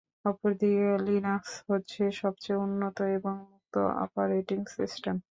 অপরদিকে লিনাক্স হচ্ছে সবচেয়ে উন্নত, এবং মুক্ত অপারেটিং সিস্টেম।